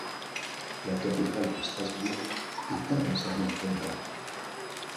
La cathédrale de Strasbourg est impensable en pleine campagne.